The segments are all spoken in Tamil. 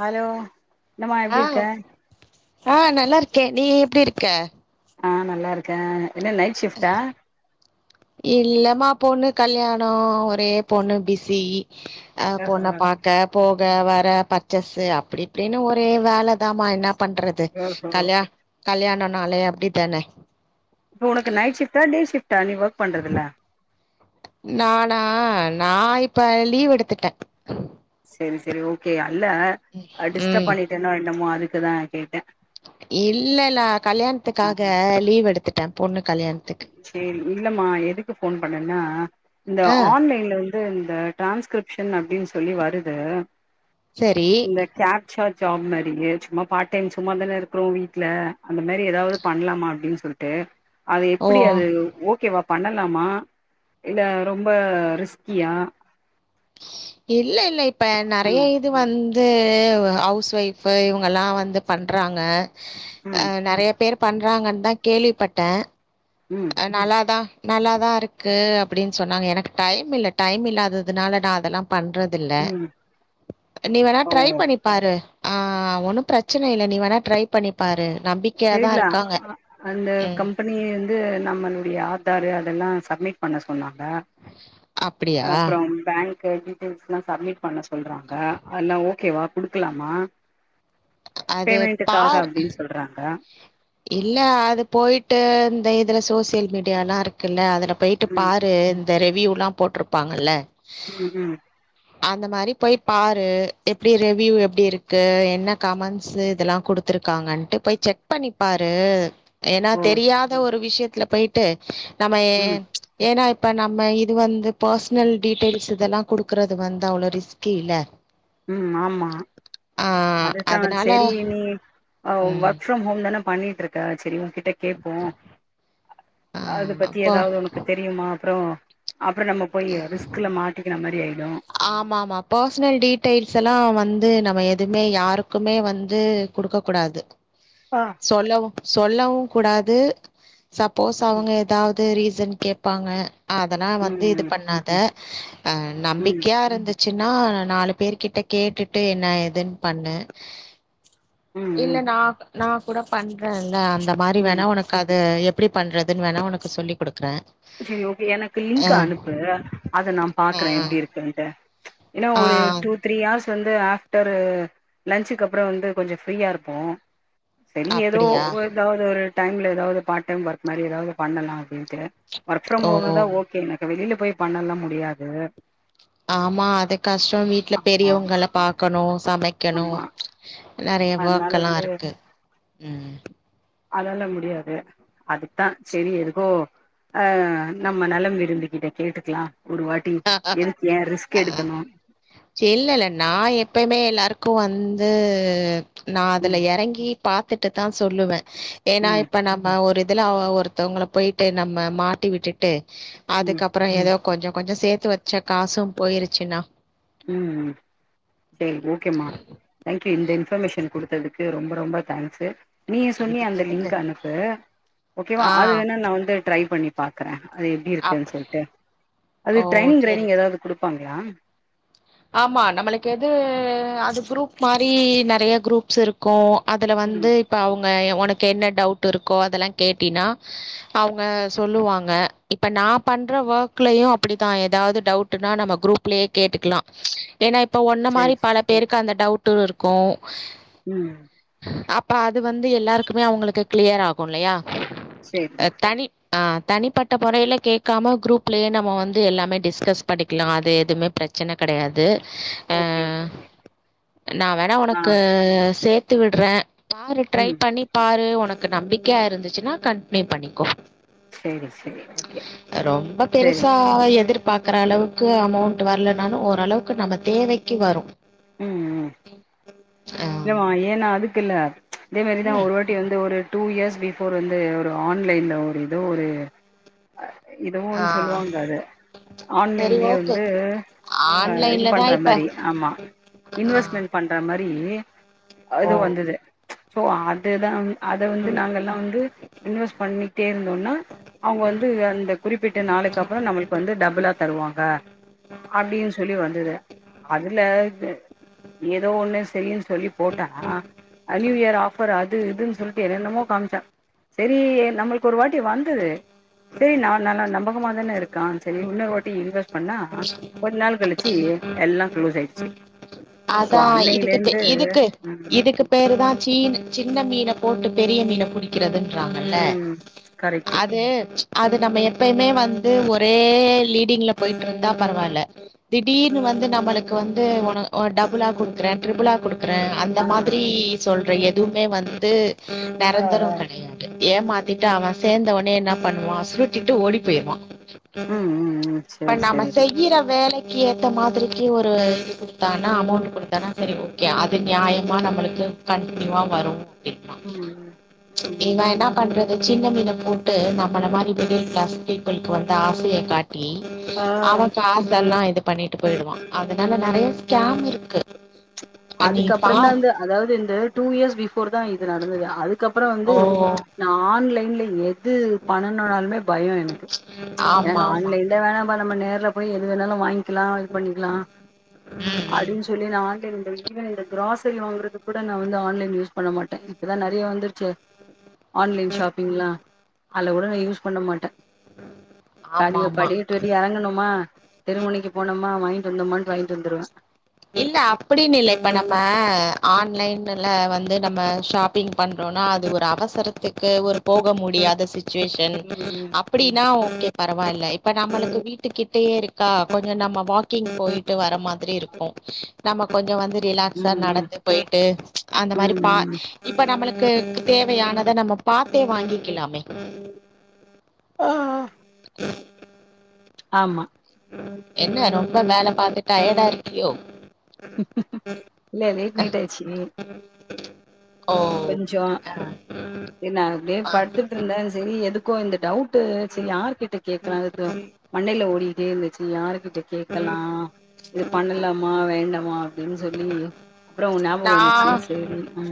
ஹலோ என்னமா எப்டி இருக்க ஆஹ் நல்லா இருக்கே நீ எப்டி இருக்க ஆஹ் நல்லா இருக்க இல்லமா பொண்ணு கல்யாணம் ஒரே பொண்ணு பிஸி ஆஹ் ஆஹா பொண்ண பாக்க போ ஆஹ் வற பர்ச்சஸ் அப்டி இப்டின்னு ஒரே வேலைதாம்மா என்னா பண்றது ஓஹோ கல்யாண கல்யாணம்னாளே அப்டித்தானே இப்ப உனக்கு நைட் ஷிப்ட்டா டே ஷிப்ட் தனி ஒர்க் பண்ணுறதுல்லா நா நானா நா இப்ப லீவ் எடுத்துட்டே இது ஓகே யா இல்லா நா டிஸ்டர்ப் ம் பண்ணிட்டேனோ என்னமோ அதுக் இது தா கேட்டே இல்லல்ல ஆ கல்யாணத்துக்காக லீவ் எடுத்தே ஏ பொண்ணு கல்யாண் சேரி இல்லமா எதுக்கு போன் அதென்னா இந்த ஆ ஆன்லைன்ல இது எந்த ட்ரான்ஸகிரிப்டின் அப்டின்னு சொல்லி வருது சரி இந்த கேப்சர் ஜாப் மாரி சும்மா பார்ட் டைம் சும்மாதானே இருக்கோ வீட்டுல அந்த மாரி ஏதாவது பண்ணலாமா அப்டின்னு சொல்லிட்டு அது ஓ அப்டியாது ஓகேவா பண்ணலாமா இல்ல ரொம்ப ரிஸ்கியா இல்ல இல்ல இப் ப நெறைய ம் இது வந் து ஹவுஸ் ஒய்ஃபு இவங்கலா வந்து பண்றாங்க ம் அஹ் நெறைய பேர் பண்றாங்கன் தா கேள்விப்பட்ட ம் அ நல்லாதா நல்லாதாருக்கு அப்படின் சொன்னாங்க எனக்கு டைம் இல்ல டைம் இல்லாததுனால நா அதெல்லா பண்றதில்ல ம் நீ வேணா ஓ ட்ரை பண்ணி பாரு அஹ் ஒன்னு பிரச்சன இல்ல நீ வேணா ட்ரை பண்ணிப்பாரு செரிளா அஹ் அந்த ம் கம்பனி வந்து நம்மளுடைய ஆதாரு அதெல்லா சப்மிட் பண்ண சொ சொன்னாங்க அப்டியா அப்பறம் பேங்க் கு டீட்டெய்ல்ஸ்லா சப்மிட் பண்ண சொல்றாங்க அதுலா ஓகேவா குடுக்கலாமா அது பேமெண்ட்டுக்காக பார் அப்டின்னு சொல்றாங்க இல்ல அது போய்ட்டு இந்த இதுல சோசியல் மீடியா ல்லா இருக்குல்ல அதுல பொய்ட்டு ம் பாரு இந்த ரே வ்யூலா போட்ருப்பாங்கல்ல ம் ம் அந்த மாரி போய் பாரு எப்டி ரேவ்யூ எப்டி இருக்கு என்ன கமண்ட்ஸு இதெல்லா குடுத்துருக்காங்கன்ட்டு போய் செக் பண்ணிப்பாரு ஏன்னா ஓ தெரியாத ஒரு விஷயத் துல போய்ட்டு நம்ம ம் ஏன்னா இப்ப நம்ம இது வந்து பர்சனல் டீட்டெயில்ஸ் இதெல்லா குடுக்கறது வந்து அவ்ளோ ரிஸ்க்கு இல்ல ம் ஆமா ஆ அது தா அதனால செரி நீ ம் ஒர்க் ஃப்ரம் ஹோம் தான என்ன பண்ணிட்டுருக்க ஆச்சிரியம்மா கிட்ட கேப்போ ஆ அது பத்தி அப்போ ஏதாவது உனக்கு தெரியுமா அப்புறோ அப்புறோ நம்ம போய் ரிஸ்குல மாட்டிக்கின மாரி ஆயி ஆமா ஆமா பர்சனல் டீட்டெய்ல் ஆக்சுவலா வந்து நம்ம எதுமே யாருக்குமே வந்து குடுக்கக் கூடாது ஆ சொல்லவு சொல்லவு கூடாது சப்போஸ் அவுங்க எதாது அது ரீசன் கேப்பாங்க ஆ அதெல்லா வந்து இது ம் பண்ணாத ம் யா இருந்துச்சுன்னா நாலு பேர்க் கிட்ட கேட்டுட்டு என்ன ஏதுன் பண்ணு ம் இல்ல ம் நா நா கூட பண்றன்ல ந்த மாரி ம் வேணா ஒனக்கு அத எப் டி பண்றதுன் வேணா ஒனக்கு சொல்லிக் குடுக்ற செரி ஓகே எனக்கு லிங்க்கு அனுப்பு அத நா பாக்குற எப்டி ஆ இருக்குன்ட்டு ஏன்னா ஆ ஒரு டூ த்ரீ ஆர்ஸ் வந்து ஆ ஒரு லன்ச்சுக்கு அப்பறோ வந்து கொஞ்சோ ஃப்ரீயா இருப்போ செரி எதோ அப்டியா ஏதாது ஒரு டைம்ல எதாது பார்ட் டைம் ஒர்க் மாரி ஏதாது பண்ணலா அப்டின்ட்டு ஒர்க் ஃப்ரம் ஹோம் தா ஓ ஓக்கே எனக்கு வெளில போய் பண்ணல்லா முடியாது ஆமா அது கஷ்டோ வீட்ல ஆமா பெரியவங்கள பாக்கணு சமைக்கணு ஆமா நெறையா ஒர்க் அதனால எல்லா இருக்கு உம் அதாலா முடியாது அதுக்கு தா செரி எதுக்கோ ஆஹ் நம்ம நலம் விரும்பிக்கிட்ட கேட்டுக்கலா ஒரு வாட்டி எதுக்கு ஏ ரிஸ்க் ஆஹ் எடுக்கணு ச இல்லல்ல நா எப்பவுமே எல்லாருக்கு வந் ந்து நா அதுல ம் எறங்கி பாத் துட்டு தா சொல்லுவ ஏனா ம் இப்ப நம்ம ஒரு இதுல ஒருத்தவங்கள போய்ட்டு நம்ம மாட்டி விட்டுட்டு ம் அதுக்கப்பறோ எதோ கொஞ்சோ கொஞ்சோ சேத்து வச்ச காசும் போயிருச்சுன்னா உம் உம் செரி ஓகேமா தேங்க்யூ இந்த இன்ஃபர்மேஷன் குடுத்ததுக்கு ரொம்ப ரொம்ப தேங்க்ஸ்ஸு நீய சொன்னியே இதுக்கு அந்த எதுக்கு லிங்க் அனுப்பு ஓக்கேவா ஆ அது வேணா நா வந்து ட்ரை பண்ணி பாக்கற அது எப்டி அப் இருக்குன்‌ சொல்ட்டு ஓ அது ட்ரைனிங் க்ரைனிங் ஏதாவ்து குடுப்பாங்ளா ஆம்மா நம்மளுக்கெது அது குரூப் மாரி நறைய க்ரூப்ஸ் இருக்கோ அதுல ம் வந்து இப்ப அவுங்க ஒனக் கென்ன டவுட் இருக்கோ அதெல்லா கேட்டீனா அவுங்க சொல்லுவாங்க இப்ப நா பண்ற ஒர்க்லையு அப்டிதா ஏதாவ்து டவுட்டுன்னா நம்ம குரூப்லே கேட்டுக்குலா ஏனா ப்ப ஒன்ன சேரி மாரி பல சேரி பேருக்கு அந்த டவு டு இருக்கு ம் அப்ப அது வந்து எல்லாருக்குமே அவுங்களுக்கு க்ளியர் ஆகு இல்லையா அ சேரிம்மா தனி ஆ, தனிப்பட்ட மொறைல கேட்காம குரூப்லே நம்ம வந்து எல்லாமே டிஸ்கஸ் பண்ணிக்லா அது எதுமே பிரச்சன கெடயாது ஆ, ஓகே ஓகே ஓகே நா வேணா ஆ ஒனக்கு சே த்து விட்ற பாரு ட்ரை ம் பண்ணி பாரு உனக்கு நம்பிக்கையா இருந்துச்சுன்னா கண்ட்னியூ பண்ணிக்கோ சேரி சேரி ஓகே ரொம்ப சேரி பெருசா எதிர்பாக்கற அளவு க்கு அமௌண்ட் வர்ல னாலு ஓரளவுக்கு நம்ம தேவைக்கி வரு ம் ம் ஆ இல்லமா ஏனா அது க்குல்ல இதே மாரிதா ம் ஒரு வாட்டி வந்து ஒரு டூ இயர்ஸ் பிஃபோர் வந்து ஒரு ஆன்லைன்ல ஒரு இதோ ஒரு இதோ ஆ ஒன்னு சொல்லுவாங்க அத சரி ஆன்லைன்லேயே ஓகே வந்து அ இது ஆன்லைன்ல தா பண்ற இப்ப மாரி ஆமா ஆ இன்வஸ்மெண்ட் பண்ற மாரி ஓ அது வந்துது சோ அது தம் அத வந்து நாங்கல்லா வந்து இன்வெஸ்ட் பண்ணிட்டே இருந்தோன்னா அவ்ங் வந்து அந்த குறிப்பிட்ட நாளுக்கப்பறோ நம்முள்க்கு வந்து டபுளா தருவாங்க, அப்டின் சொல்லி வந்துது அதுல இது ஏதோ ஒண்ணு ஸ் தெரியு ஸ் சொல்லி போட்டா அ நீயூ இயர் ஆஃபர் அது இதுன் சொல்ட்டு என்னென்னமோ காம்ச்ச சேரி நம்மள்க்கு ஒரு வாட் ஏ வந்து சேரி நால் நாளா நம்போ சும்மா தான இருக்கா சேரி உன்னோர் வாட்டி இன்வெஸ் பண்ணா, ஒரு நாள் கழிச்சி எல்லா க்ளோஸ் ஆயிட்ச்சு அதா இதுக் கத்தே இதுக்கு ம் இதுக்கு பே இதுத்தா சீன் சின்ன மீன போட்டு பெரிய மீன புடிக் கிறதுன்றாங்கல்ல ம் கரெக்ட்டு அது அது நம்ம எப்பயுமே வந்து ஒரே லீடிங்ல போயிட்ருந்தா பரவால்ல திடீர்னு வந்து நம்மளுக்கு வந்து உன ஓ டபுளா குட்குறே ட்ரிப்புளா குடுக் க்றே அந்த ஆ மாத்திரி சொல்ற எதுவ்மே வந்து ஆ ஆ நெரந்தரோ கெடையாது ஏமாத்திட்டு அவ சேந்த ஒட்னே என்ன பண்வா சுருட்டிட்டு ஓடி போயிர்வா ம் ம் ம் இப்ப சரி நாம சரி செய்யிற வேலைக் கேத்த மாதிரிக்கு ஒரு [inaudible] கான அமௌண்ட்டு குடுத்தானா செரி ஓகே அது நியாயமா நம்மளுக்கு கண்ட்ன்யூவா வரு [inaudible] ம் ம் ம் இவ ம் ம் என்ன பண்றது சின்ன மீன போட்டு நம்மள மாரி மிடில் கிளாஸ் பீப்பிள்க்கு வந்து ஆசைய காட் டி ஆ அவ காசெல்லா இது பண்ணிட்டு போயிடுவா அதனால நெறைய ஸ்கேம் இருக்கு பா அதுக்கப்பறந்தா இந்த அதாவ்து இந்த டூ இயர்ஸ் பிஃபோர் தா இது நடந்தது அதுக்கப்பறோ வந்து ஓ நா ஆன்லைன்ல யே இது பண்ணனுனால்மே பயோ எனக்கு எனக்கு ஆமா ஆமா ஆன்லைன்ல வேணாம்ப்பா நம்ம நேர்ல போய் எதுனாலு வாங் கிலா இது பண்ணிக்லா ம் ம் அப்டின் சொல்லி நா ஆன்லைன் இந்த ஈவன் இந்த க்ராசரி வாங்கறதுக் கூட நா வந்த ஆன்லைன் யூஸ் பண்ண மாட்டே இப்ப தா நெறைய வந்துரு ச்சே ஆன்லைன் ஷாப்பிங்லா அல்ல கூட நா யூஸ் பண்ண மாட்டே ஆமா காலியா ஆமா படிகட்டு விட்டு எறங்கணோமா தெருமுனைக்கு போனோ மா வாங்ட்டு வந்தோமான்ட்டு வாங்ட்டு வந்துருவே இல்ல அப்டின்னில்ல இப்ப நம்ம ஆன்லைனுல வந்து நம்ம ஷாப்பிங் பண்றோன்னா அது ஒரு அவசரத்துக்கு ஒரு போக முடியாத சு ச்சுவேஷன் ம் ம் அப்படின்னா ஓகே பரவாயில்ல இப்ப நம்மளுக்கு வீட்டுக்கிட்டயே இருக்கா கொஞ்சோ நம்ம வாக்கிங் போய்ட்டு வர மாதிரி இருக் கு நம்ம கொஞ்ச வந்து ரிலாக்ஸா ம் நடந்து போயிட்டு அந்த ம் மாரி பா ம் ம் இப்ப நம்மளுக் கு தேவையானத நம்ம பாத்தே வாங்கிக்கலாமே ஆஹ் ஆமா என்ன ரொம்ப வேல பாத்து டயாடாருக்கியோ இல்ல லேட் நைட் ஆயிச்சி ஓ கொஞ்சோ செரி நான் அப்டியே ஆ படுத்துட்டு இருந்தே செரி எதுக்கு க்கோ இந்த டவுட் ட்டு செர் யார் கிட்ட கேட்கலாம் இது மண்டயில ஓடிட்டே இருந்துச்சு யாருகிட்ட கேட்கலா இது பண்ணலாம வேண்டாமா ன்னு சொல்லி அப்பறோ உங்க ஞாபகம் வந்துச்சு நா செரி உ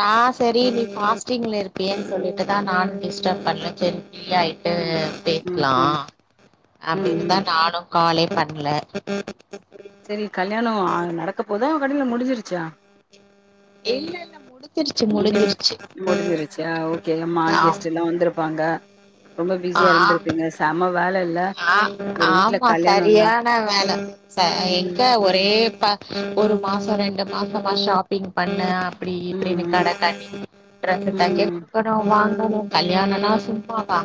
நா செரி நீ ஃபாஸ்டிங்ல இருப்பியேன்னு சொல்லிட்டு தான் நானு டிஸ்டரப் பண்ணல செரி ப்ரீயாயிட்டு ம் ம் பேசலா ம் ம் அப்டின்னு ம் தான் நானு காலேப் பண்ல செரி கல்யாணோ நடக்க போதா அவன் கல்யாணோ முடிஞ்சிருச்சா இல்ல இல்ல முடிஞ் இனி முடிஞ்சிருச்ச ஓகே நம்மா ஆள் ஆம் கெஸ்ட்ட் எல்லாம் வந்திருப்பாங்க ரொம்ப ஆ பிஸியா இருந்திருப்பீங்க செம வேல இல்ல ஒரு வீட்ல ஆமா கல்யாணோனா செரியான வேல எங்க ம் ஒரே ஒருப் மாசோ ரெண் மாசமா ஷாப்பிங் பண்ணு அப்டி ம் இப்டின்னு ம் கடைக்கண்ணின்னு ம் சுத்ரதுக்கே ம் [unintelligible] கல்யாணோன்னா சும்மாவா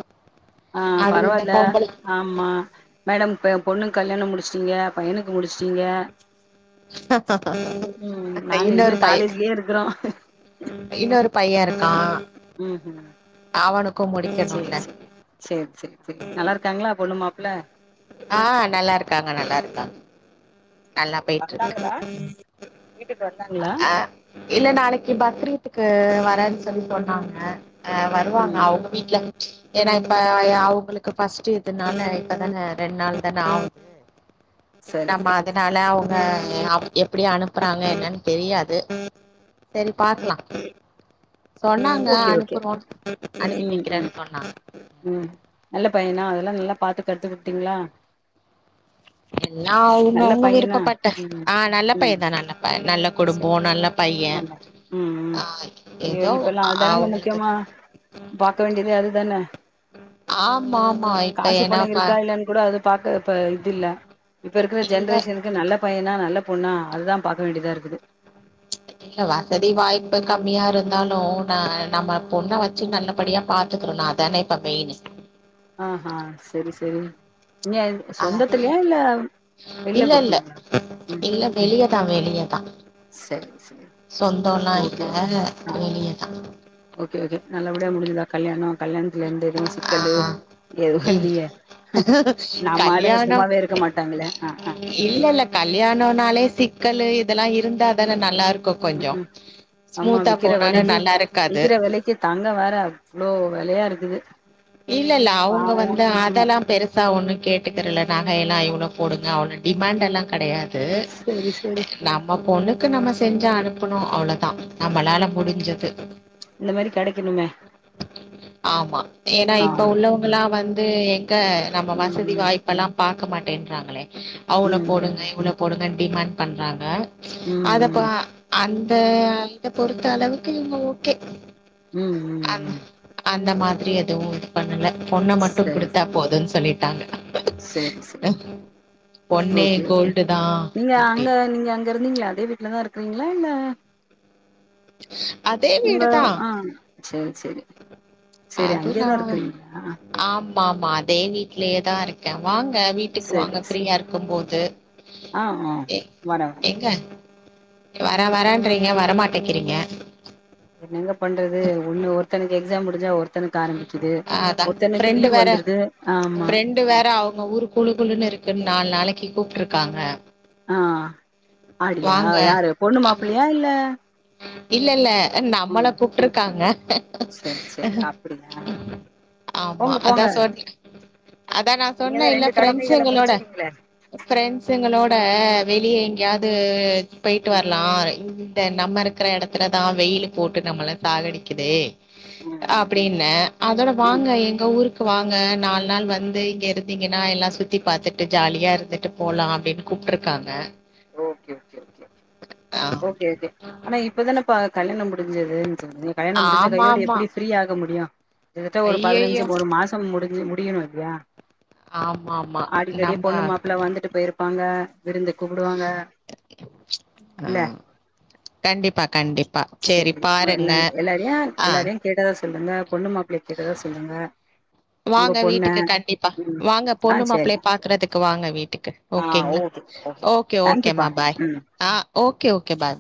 ஆ அதுவு இந்த பரவால்ல பொம்பள ஆமா மேடம் இப்ப என் பொண்ணுக்கு கல்யாணோ முடிச்சட்டீங்க பையனுக்கு முடிச்சட்டீங்க நாங்க இன்னு இன்னொரு பைய காலேஜ்லயே இருக்குறோ இன்னொரு பையே இருக்கா ம் ம் அவனுக்கு சேர் முடிக்கணுல்ல சேரி சேர் சேரி நல்லா இருக்காங்களா பொண்ணுமாப் ல்ல ஆ நல்லா இருக்காங்க நல்லா இருக்காங்க நல்லா சேரி போயிட்டு இருக்கு வந்தாங்களா வீட்டுக்கு வந்தாங்களா அ இல்ல நாளைக்கு பக்ரீத்துக்கு வர ன்னு சொல்லி சொன்னாங்க ஆ வருவாங்க ம் அவுங்க வீட்ல ஏன்னா இப்ப அவுங்களுக்கு ஃபஸ்ட்ட இதுனால இப்பதானே ரெண்டு நாள் தான ஆவுது செரி செரி அவுங்க எப்டி அனுப்புறாங்க என்னன்னு தெரியாது செரி பாக்கலா சொன்னாங்க ஓகே ஓகே அனுப்புறோன்னு அனுப்பி ம் ம் வைக்கிறேன்னு சொன்னா கத்துக்கிட்டீங்களா எல்லா அவுங்கவுங்க விருப்பப்பட்ட ம் ஆ நல்ல பைய ம் தான் நல்ல ப நல்ல குடும்போ சரி நல்ல பையே நல்லா ம் ம் ஆ ஐயோ எதோ இப்பெல்லா அதுதானங்க அவுங்களுக்கு முக்கியமா பாக்க வேண்டியது அதுதான ஆமாம்மா இப்ப காசு என்னா பணோ பா இருக்கா இல்லன்னு கூட அது பாக்க இப்ப இது இல்ல இப்ப இருக்குற இல்ல ஜென்ரேஷனுக்கு நல்ல பையனா நல்ல பொண்ணா அதுதா பாக்க வேண்டியதாற்கு ற்கு இல்ல வசதி வாய்ப்பு கம்மியா இருந்தாலு நா நம்ம பொண்ண வச்சு நல்லபடியா பாத்துக்குறனு அதானே இப்ப மெயினு ஆ ஹா செரி செரி நீங்க ஆ சொந்தத்துலயா இல்ல வெளில இல்லல்ல குடுத்தீங்களா ம் இல்ல ம் வெளியேதா வெளிய தா சரி சரி சொந்தோல்லா இல்ல ஓகே ஓகே. ஆ வெளியதா ஓகே ஓகே நல்லபடியா முடிஞ்சுதா கல்யாணோ கல்யாணத்துல எந்த எதுவு ஆ சிக்கலு எதுவு இல் இல்லையே நம்ம ஆளுங்க கல்யாணோ சும்மாவே இருக்க மாட்டாங்களே ஆ ஆ இல்லல்ல கல்யாணம்னாலே சிக்கலு இதெல்லா இருக் இருந்தா தான நல்லா இருக் ம் ம் ஆமா விக்கிற போனாலு வெலக்கி நல்லா இருக்காது விக்கிற வெலக்கி தங்கோ வேற அவ்ளோ வெலயா இருக்குது இல்லல்ல அவுங்க பாவோ வந்து ம் ம் அதெல்லா பெருசா ஒண்ணு கேட்டுக்கிறுல நகை எல்லா இவ்ளோ போடுங்க அவ்ளோ டிமாண்ட் எல்லா கெடையாது சரி சரி யாது நம்ம பொண்ணு க்கு நம்ம செஞ்சா அனுப்பணு அவ்ளோதா நம்மளால முடிஞ்சது இந்த மாரி கெடைக்கணுமே ஆமா ஏன்னா ஆ இப்ப உள்ளவங்களா வந்து இதே எங் ங்க நம்ம ம் வசதி ம் வாய்ப்பெல்லா பாக் இருக்க மாட்டேன்றாங்களே அவ்ளோ போடுங்க ம் இவ்ளோ போடுங்கன்னு டிமாண்ட் பண்றாங்க ம் அதப்பா ம் அந் தேயா இத பொறுத்த அளவுக்கு நீங்க ஓகே ம் ம் அந் ம் அந்த மார் ரியத் எதுவு இது பண்ணல பொண்ண மட்டு குடுத்தா போதுன்னு சொல்லிட்டாங்க செரி செரி பொன்னே ஓகே ஓகே கோல்டு தான் நீங்க அங்க அப்படின்னு நீங்க அங்க இருந்தீங்களா அதே வீட்டுலதா இருக்கிறீங்களா இல்ல அதே உங்க வீடு தான் ஆஹ் செரி செரி செரி அதுல அங்கேயதா ஆமா இருக்கிறீங்களா ஆமா அதே வீட்டுலேயேதா இருக் கே வாங்க வீட்டுக்கு சரி வாங்க சரி ஃப்ரீயா இருக்கும்போது ஆ ஆ எ வரே வரே எங்க வர வரன்றீங்க வரமாட் டக்கிறீங்க என்னங்க பண்றது ஒன்னு ஒருத்தனுக்கு எக்ஸாம் முடிஞ்சா ஒருத்தனுக்கு ஆரம்பிக்குது அதான் ஒருத்தனுக்கு ஃப்ரெண்டு லீவ் வேற வந்துருது ஆமா ஃப்ரெண்டு வேற கி கூப்ட்டுருகாங்க ஆஹ் அடியா யாரு பொண்ணு மாப்ள்ளையா இல்ல இல்ல இல்ல நம்மள ம் கூப்பிட்டுருக்காங்க சரி சரி அப்டியா ஆமா போங்க அதா போங்க சொன் அதான் நா நீங்கதா சொன்ன இல்ல ரெண்டு கடமைகள ஃப்ரெண்ட்ஸ்ங்களோட முடிச்சுட்டீங்களே ஃப்ரெண்ட்ஸ்ங்களோட க வெளியே எங்கேயாவ்து போயிட்டு ம் வரலா இந்த நம்ம இரு ம் [unintelligible] வெயில் போட்டு நம்மள சாகடிக்குதே ம் ம் அப்டின்ன அதோட ம் வாங்க எங்க ஊருக் கு வாங்க நாலு நாள் வந்து இங்க இருந்தீங்கன்னா எல்லா சுத்தி பாரத்துட்டு ஜாலியா இருந்துட்டு போலா அப்டின்னு கூப்ட்ருக்காங்க ஒகே ஒகே ஒகே ஆ ஓகே ஓகே ஆனா இப்பதானே பா கல்யாணம் முடிஞ்சுது செரி நீங்க கல்யாணம் முடிஞ்ச ஆமா கையோடு ஆமா எப்டி ஃப்ரீ ஆக முடியு கிட்தட்ட ஒரு ஐயையோ பதினஞ்சு ஒரு மாசம் முடிஞ்சு ரியனு இல்லியா ஆமாமா நம்ம ப்பாங்க விருந்துக் வருவாங்க ஆ இல்ல கண்டிப்பா கண்டிப்பா சேரி சரி எல்லா பாருங்க எல்லாரையு ஆ எல்லாரையு கேட்டதா சொ சொல்லுங்க பொண்ணு மாப்பிள்ளைய கேட்டதா சொல்லுங்க உங்க வாங்க பொண்ண வீட்டுக்கு கண்டிப்பா ம் வாங்க ஆ பொண்ணு சரி மாப்புளய பாக்குறதுக்கு வாங்க வீட்டுக்கு ஆ ஓகேங்ளா ஓகே ஓக் ஓகே தேங்க்யூப்பா ஓகேமா பாய் ம் ஆ ஓகே ஓகே பாய்